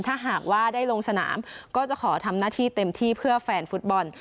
ถ้าหากว่าได้ลงสนามก็จะขอทำหน้าที่เต็มที่เพื่อแฟนฟุตบอล